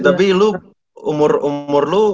tapi lu umur umur lo